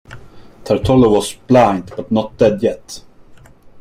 Tartalo was blind, but not dead yet.